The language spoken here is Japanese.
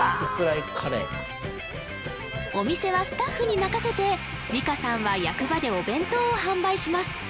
お店はスタッフに任せて理佳さんは役場でお弁当を販売します